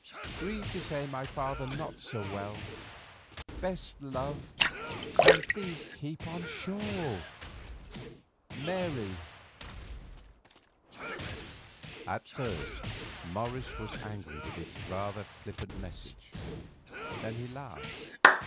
Grieved to say my father not so well. Best love, and please keep on shore. MARY." At first Morris was angry with this rather flippant message; then he laughed.